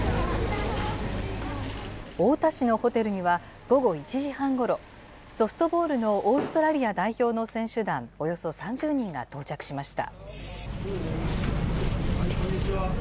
太田市のホテルには、午後１時半ごろ、ソフトボールのオーストラリア代表の選手団およそ３０人が到着しました。